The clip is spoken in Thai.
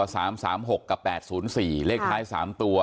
สามสามหกกับแปดศูนย์สี่เลขท้ายสามตัว